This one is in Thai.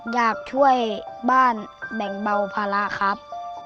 อยากช่วยบ้านแบ่งเบาภาระครับ